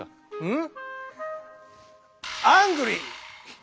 ん？